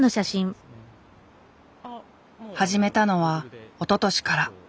始めたのはおととしから。